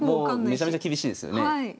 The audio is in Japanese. めちゃめちゃ厳しいですよね。